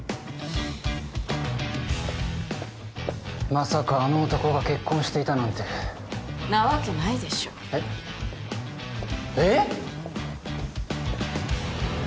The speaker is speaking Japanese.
まさかあの男が結婚していたなんてなわけないでしょうえっええっ！？